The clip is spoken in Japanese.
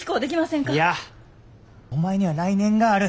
いやお前には来年がある。